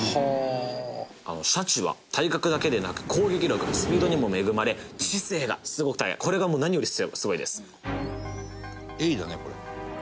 シャチは体格だけでなく攻撃力スピードにも恵まれ知性がすごくてこれがもう何よりすごいです。